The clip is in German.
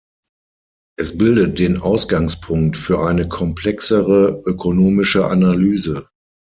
Es bildet den Ausgangspunkt für eine komplexere ökonomische Analyse.